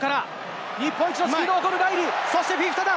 土から日本一のスピードを誇るライリー、そしてフィフィタだ！